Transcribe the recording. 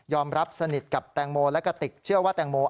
รับสนิทกับแตงโมและกระติกเชื่อว่าแตงโม